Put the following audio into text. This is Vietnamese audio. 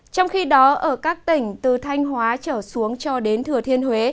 trong khi đó ở các tỉnh từ thanh hóa trở xuống cho đến thừa thiên huế